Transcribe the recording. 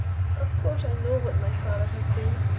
"Of course I know what my father has been.